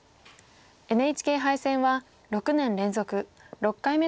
ＮＨＫ杯戦は６年連続６回目の出場です。